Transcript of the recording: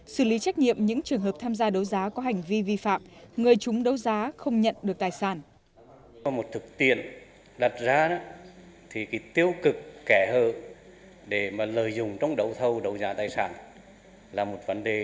xử lý trách nhiệm những trường hợp tham gia đấu giá có hành vi vi phạm người chúng đấu giá không nhận được tài sản